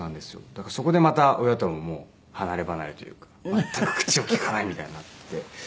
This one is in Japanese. だからそこでまた親とももう離ればなれというか全く口を利かないみたいになって。